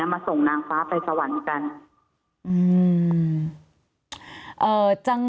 มาส่งนางฟ้าไปสวรรค์กัน